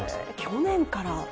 去年から。